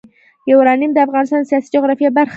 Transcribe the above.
یورانیم د افغانستان د سیاسي جغرافیه برخه ده.